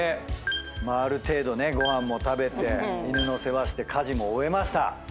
ある程度ねご飯も食べて犬の世話して家事も終えました。